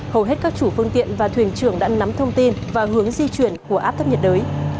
hầu hết các chủ phương tiện và thuyền trưởng đã nắm thông tin và hướng di chuyển của áp thấp nhiệt đới